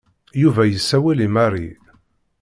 Yuba yessawel i Mary.